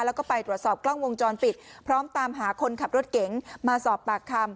แล้วก็ไปตรวจสอบกล้องวงจรปิดพร้อมตามหาคนขับรถเก๋งมาสอบปากคำ